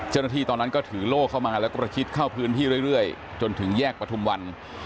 เจ้าหน้าที่ตอนนั้นก็ถือโล่เข้ามาแล้วก็ประชิดเข้าพื้นที่เรื่อยจนถึงแยกประทุมวัน